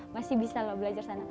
masih bisa loh belajar sana